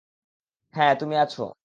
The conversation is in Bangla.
হ্যা, তুমি আছো।